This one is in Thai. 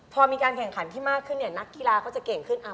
พอมีการแข่งขันที่มากขึ้นเนี่ยนักกีฬาก็จะเก่งขึ้น